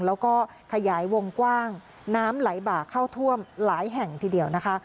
แล้วก็ขยายวงกว้างน้ำไหลบ่าเข้าท่วมหลายแห่งทีเดียวนะคะ